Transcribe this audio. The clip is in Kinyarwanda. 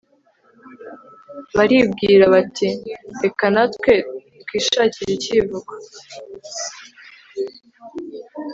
baribwira bati reka natwe twishakire icyivugo